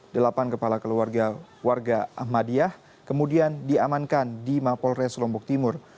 delapan kepala keluarga warga ahmadiyah kemudian diamankan di mapolres lombok timur